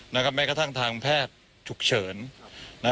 แม้กระทั่งทางแพทย์ฉุกเฉิน